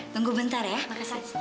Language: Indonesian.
tunggu bentar ya